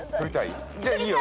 じゃあいいよ。